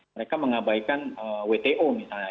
mereka mengabaikan wto misalnya